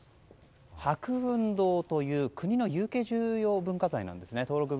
白雲洞という国の有形重要文化財なんですね。